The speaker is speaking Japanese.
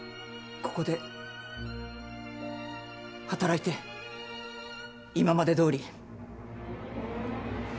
ここで働いて今までどおり。